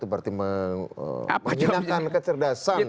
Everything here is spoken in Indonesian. jadi menggunakan kecerdasan